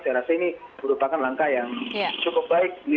saya rasa ini merupakan langkah yang cukup baik